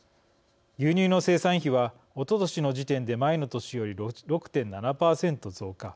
牛乳の生産費はおととしの時点で前の年より６．７％増加。